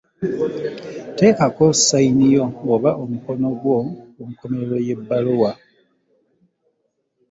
Teekako ssayini yo oba omukono gwo ku nkomerero y'ebbaluwa.